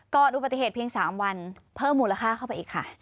อุบัติเหตุเพียง๓วันเพิ่มมูลค่าเข้าไปอีกค่ะ